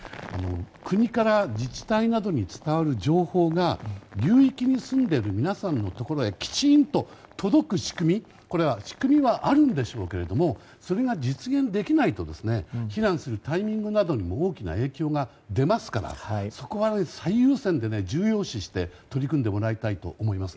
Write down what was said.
国から自治体などに伝わる情報が流域に住んでいる皆さんのところへきちんと届く仕組みはあるんでしょうけれどもそれが実現できないと避難するタイミングなどにも大きな影響が出ますからそこは最優先で重要視して取り組んでもらいたいと思います。